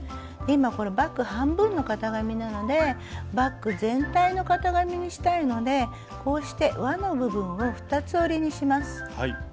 今バッグ半分の型紙なのでバッグ全体の型紙にしたいのでこうして「わ」の部分を二つ折りにします。